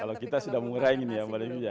kalau kita sudah mengurangi ya mbak desi